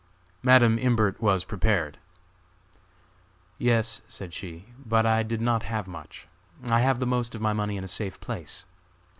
Madam Imbert was prepared. "Yes," said she, "but I did not have much. I have the most of my money in a safe place.